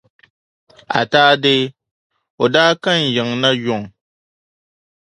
Ataa dee, o daa ka n yiŋa na, yuŋ.